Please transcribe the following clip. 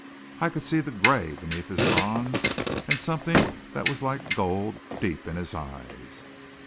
I could see the gray beneath his bronze and something that was like gold deep in his eyes.